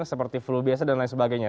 seperti flu biasa dan lain sebagainya